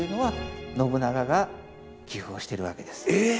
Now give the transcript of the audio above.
えっ！？